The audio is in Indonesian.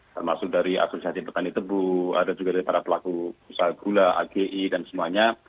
termasuk dari asosiasi petani tebu ada juga dari para pelaku usaha gula agi dan semuanya